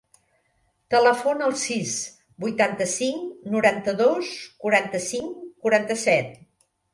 Telefona al sis, vuitanta-cinc, noranta-dos, quaranta-cinc, quaranta-set.